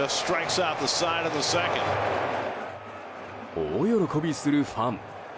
大喜びするファン。